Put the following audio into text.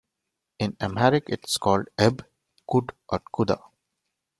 In amharic it is called Ehb, Qud or Quda.